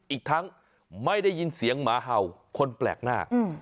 อีกทั้งไม่ได้ยินเสียงหมาเห่าคนแปลกหน้า